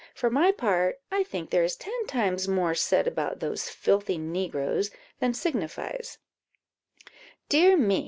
For my part, I think there is ten times more said about those filthy negroes than signifies: dear me!